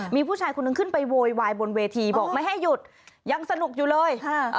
มีผู้ชายคนนึงขึ้นไปโวยวายบนเวทีบอกไม่ให้หยุดยังสนุกอยู่เลย